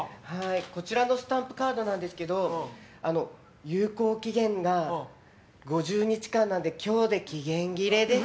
こちらのスタンプカードなんですが有効期限が５０日間なので今日で期限切れです。